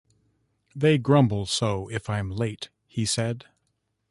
“They grumble so if I’m late,” he said.